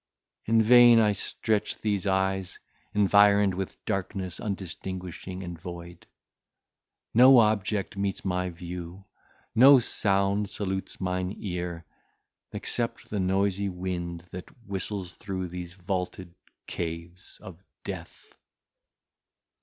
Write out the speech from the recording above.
In vain I stretch these eyes, environed with darkness undistinguishing and void. No object meets my view; no sound salutes mine ear, except the noisy wind that whistles through these vaulted caves of death."